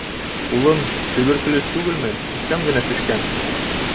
— Улым, төбөркөлөз түгелмен, үпкәм генә шешкән.